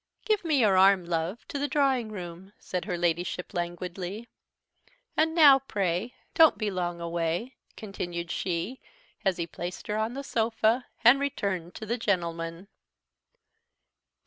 "Give me your arm, love, to the drawing room," said her Ladyship languidly. "And now, pray, don't be long away," continued she, as he placed her on the sofa, and returned to the gentlemen.